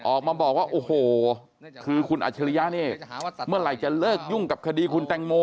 ออกมาบอกว่าโอ้โหคือคุณอัจฉริยะนี่เมื่อไหร่จะเลิกยุ่งกับคดีคุณแตงโม